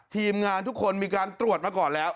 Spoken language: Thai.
ทีมงานทุกคนมีการตรวจมาก่อนแล้ว